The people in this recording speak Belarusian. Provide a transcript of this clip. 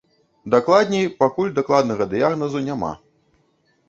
Дакладней, пакуль дакладнага дыягназу няма.